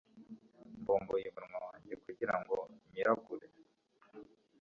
mbumbuye umunwa wanjye ngo miragure